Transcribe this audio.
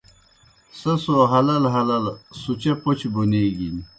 سہ سو ہلَلہ ہلَلہ سُچا پوْچہ بونیگِن۔